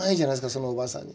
そのおばあさんに。